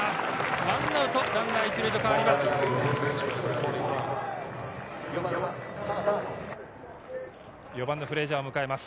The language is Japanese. １アウト、ランナー１塁と変わります。